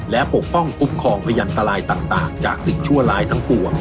และปกป้องคุ้มครองพยันตรายต่างจากสิ่งชั่วร้ายทั้งปวง